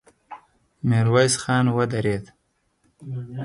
ميرويس خان ودرېد.